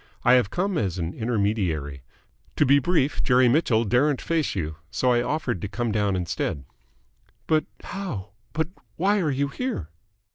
I have come as an intermediary. To be brief, Jerry Mitchell daren't face you, so I offered to come down instead." "But how but why are you here?"